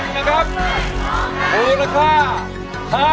สำหรับเพลงที่๑นะครับ